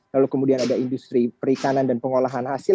lalu kemudian ada industri perikanan dan pengolahan hasil